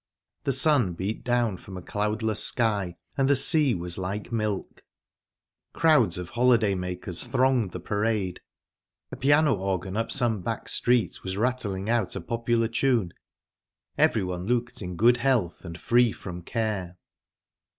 The sun beat down from a cloudless sky, and the sea was like milk. Crowds of holiday makers thronged the parade, a piano organ up some back street was rattling out a popular tune, everyone looked in good health and free from care.